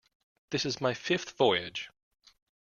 This is my fifth voyage.